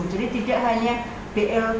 jadi tidak hanya blt